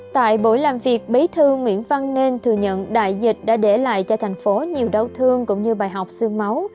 tại buổi làm việc bí thư nguyễn văn nên thừa nhận đại dịch đã để lại cho thành phố nhiều đau thương cũng như bài học sương máu